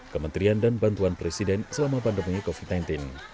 kementerian dan bantuan presiden selama pandemi covid sembilan belas